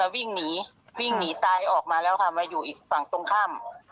วิ่งหนีวิ่งหนีตายออกมาแล้วค่ะมาอยู่อีกฝั่งตรงข้าม